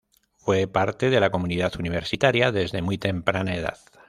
Fue parte de la comunidad universitaria desde muy temprana edad.